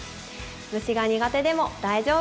虫が苦手でも大丈夫です。